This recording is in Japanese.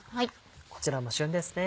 こちらも旬ですね。